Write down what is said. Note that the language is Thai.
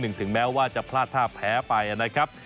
อันดับที่๑ถึงแม้ว่าจะพลาดท่าแพ้ไปนะครับ